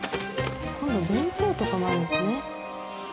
今度は弁当とかもあるんですね。